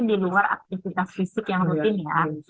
di luar aktivitas fisik yang rutin ya